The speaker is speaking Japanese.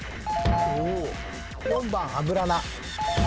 ４番アブラナ。